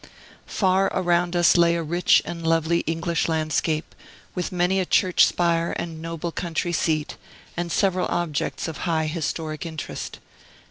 Far around us lay a rich and lovely English landscape, with many a church spire and noble country seat, and several objects of high historic interest.